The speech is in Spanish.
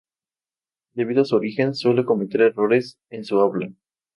Debido a su origen, suele cometer errores en su habla.